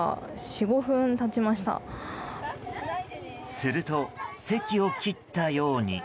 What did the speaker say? すると、せきを切ったように。